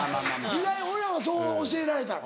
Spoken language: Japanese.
時代俺らはそう教えられたの。